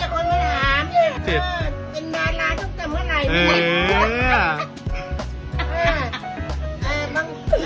ก็เป็นนานทุกเต็มว่าไหน